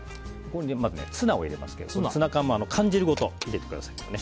まずツナを入れますけどツナ缶も缶汁ごと入れてくださいね。